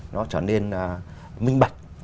nó trở nên minh bạch